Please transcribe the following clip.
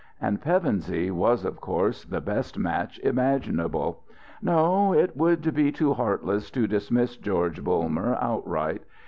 And Pevensey was, of course, the best match imaginable.... No, it would be too heartless to dismiss George Bulmer outright.